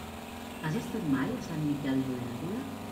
Has estat mai a Sant Miquel d'Olèrdola?